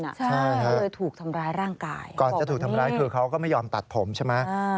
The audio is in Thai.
เลยถูกทำร้ายร่างกายแหละบอกวันนี้ใช่ค่ะเขาไม่ยอมตัดผมใช่ไหม